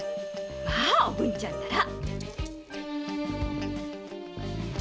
まあおぶんちゃんたら！